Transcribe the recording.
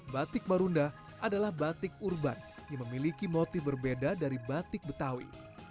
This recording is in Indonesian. batik marunda adalah batik urban yang memiliki motif berbeda dari batik betawi